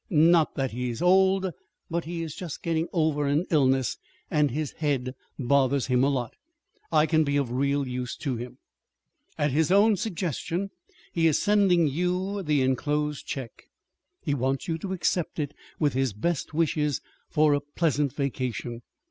Not that he is old, but he is just getting over an illness, and his head bothers him a lot. I can be of real use to him. At his own suggestion he is sending you the enclosed check. He wants you to accept it with his best wishes for a pleasant vacation.